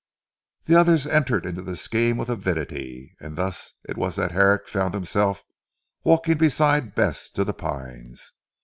The others entered into the scheme with avidity, and thus it was that Herrick found himself walking beside Bess to "The Pines."